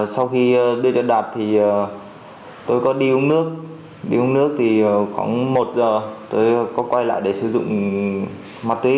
sau khi đưa cho đạt thì tôi có đi uống nước đi uống nước thì khoảng một giờ tôi có quay lại để sử dụng ma túy